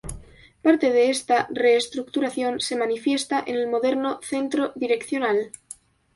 Parte de esta reestructuración se manifiesta en el moderno "Centro direccional".